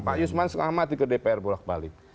pak yusman selamat itu dpr bolak balik